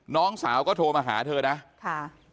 น้องสาวก็โทรมาหาเธอนะค่ะ